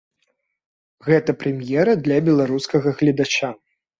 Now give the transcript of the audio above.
Гэта прэм'ера для беларускага гледача.